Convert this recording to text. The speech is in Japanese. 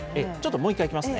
もう一回いきますね。